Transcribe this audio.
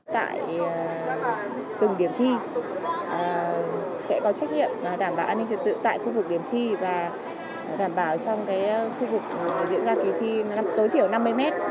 tại từng điểm thi sẽ có trách nhiệm đảm bảo an ninh trật tự tại khu vực điểm thi và đảm bảo trong khu vực diễn ra kỳ thi tối thiểu năm mươi mét